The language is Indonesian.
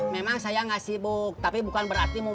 memang saya nggak sibuk tapi bukan berarti mau jalan di sini